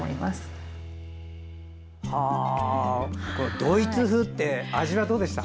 ドイツ風って味はどうでしたか？